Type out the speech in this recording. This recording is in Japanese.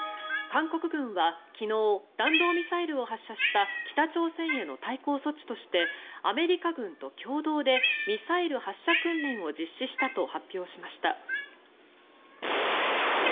韓国軍は昨日弾道ミサイルを発射した北朝鮮への対抗措置としてアメリカ軍と共同でミサイル発射訓練を実施したと発表しました。